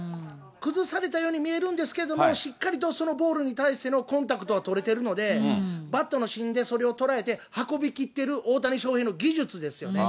崩されたように見えるんですけれども、しっかりとそのボールに対してのコンタクトは取れているので、バットの芯でそれを捉えて、運びきってる大谷翔平の技術ですよね。